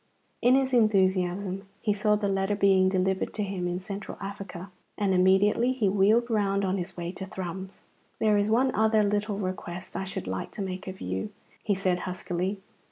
In his enthusiasm he saw the letter being delivered to him in Central Africa, and immediately he wheeled round on his way to Thrums. "There is one other little request I should like to make of you," he said huskily.